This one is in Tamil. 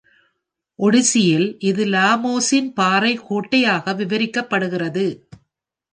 "ஒடிஸி" இல், இது லாமோஸின் பாறை கோட்டையாக விவரிக்கப்படுகிறது.